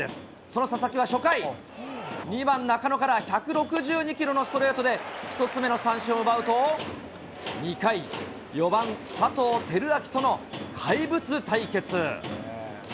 その佐々木は初回、２番なかのから１６２キロのストレートで、１つ目の三振を奪うと、２回、４番佐藤輝明との怪物対決。